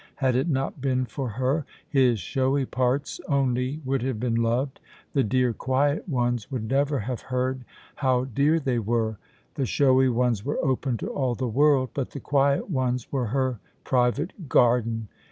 Had it not been for her, his showy parts only would have been loved; the dear, quiet ones would never have heard how dear they were: the showy ones were open to all the world, but the quiet ones were her private garden.